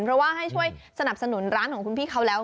เพราะว่าให้ช่วยสนับสนุนร้านของคุณพี่เขาแล้ว